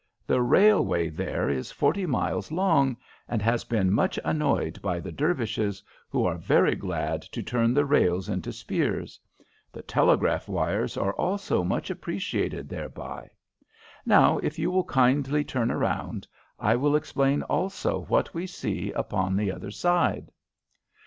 The railway there is forty miles long, and has been much annoyed by the Dervishes, who are very glad to turn the rails into spears. The telegraph wires are also much appreciated thereby. Now, if you will kindly turn round, I will explain, also, what we see upon the other side."